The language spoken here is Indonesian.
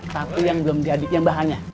tapi yang belum diadikin bahannya